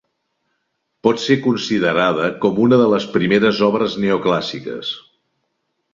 Pot ser considerada com una de les primeres obres neoclàssiques.